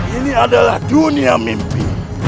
ini adalah dunia mimpi